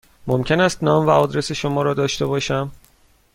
ممکن است نام و آدرس شما را داشته باشم؟